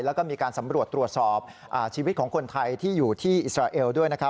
แล้วก็มีการสำรวจตรวจสอบชีวิตของคนไทยที่อยู่ที่อิสราเอลด้วยนะครับ